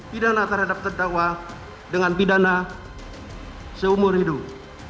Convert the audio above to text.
pidana terhadap terdakwa dengan pidana seumur hidup